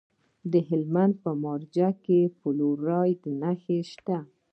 د هلمند په مارجه کې د فلورایټ نښې شته.